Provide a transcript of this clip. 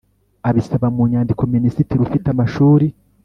abisaba mu nyandiko Minisitiri ufite amashuri